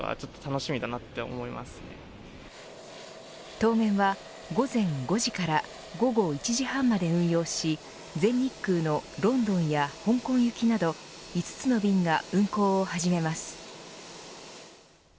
当面は午前５時から午後１時半まで運用し全日空のロンドンや香港行きなど５つの便が運航を始めます。